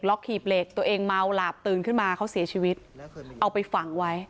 หีบเหล็กตัวเองเมาหลาบตื่นขึ้นมาเขาเสียชีวิตเอาไปฝังไว้